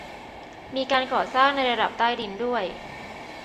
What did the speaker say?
มีการก่อสร้างในระดับใต้ดินด้วย